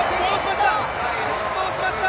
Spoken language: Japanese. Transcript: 転倒しました！